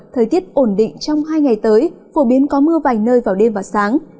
thời tiết ổn định trong hai ngày tới phổ biến có mưa vài nơi vào đêm và sáng